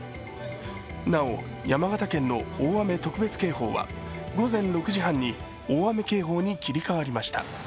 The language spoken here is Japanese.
なお、山形県の大雨特別警報は午前６時半に大雨警報に切り替わりました。